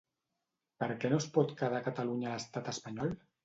Per què no es pot quedar Catalunya a l'estat espanyol?